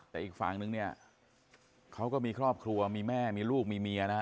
แต่อีกฝั่งนึงเนี่ยเขาก็มีครอบครัวมีแม่มีลูกมีเมียนะฮะ